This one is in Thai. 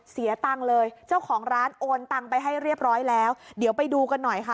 เสียตังค์เลยเจ้าของร้านโอนตังไปให้เรียบร้อยแล้วเดี๋ยวไปดูกันหน่อยค่ะ